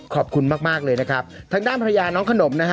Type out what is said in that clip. ขอบคุณมากมากเลยนะครับทางด้านภรรยาน้องขนมนะฮะ